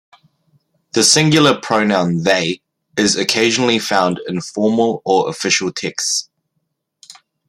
The singular pronoun "they" is occasionally found in formal or official texts.